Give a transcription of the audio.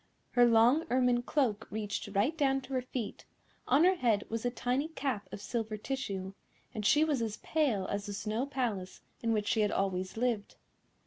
Her long ermine cloak reached right down to her feet, on her head was a tiny cap of silver tissue, and she was as pale as the Snow Palace in which she had always lived.